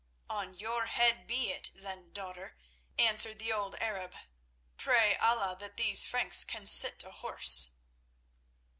"On your head be it then, daughter," answered the old Arab. "Pray Allah that these Franks can sit a horse!"